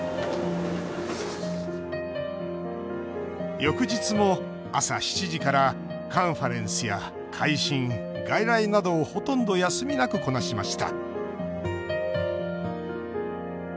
翌日も朝７時からカンファレンスや回診外来などをほとんど休みなくこなしました。